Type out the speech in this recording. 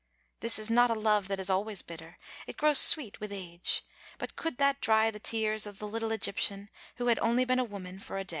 This is not a love that is always bitter. It grows sweet with age. But could that dry the tears of the little Egyptian, who had only been a woman for a day?